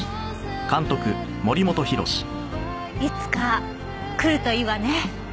いつか来るといいわね。